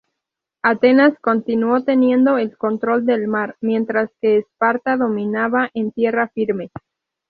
Atenas continuó teniendo el control del mar, mientras que Esparta dominaba en tierra firme.